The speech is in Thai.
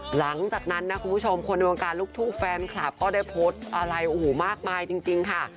หลังจากนั้นนะคุณผู้ชมคนในวงการลูกทุ่งแฟนคลับก็ได้โพสต์อะไรโอ้โหมากมายจริงค่ะ